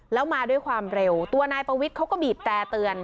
แล้วมาด้วยความเร็วตัวนายปวิทย์เขาก็บีบแต่เตือน